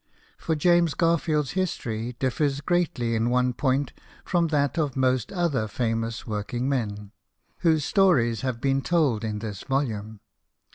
For James Garfield's history differs greatly in one point from that of most other famous work ing men, whose stories have been told in this volume.